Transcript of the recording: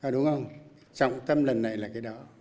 đúng không trọng tâm lần này là cái đó